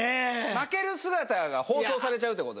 負ける姿が放送されちゃうってことですよね。